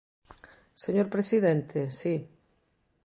Señor presidente, si.